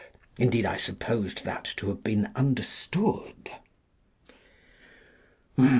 Indeed, I supposed that to have been understood.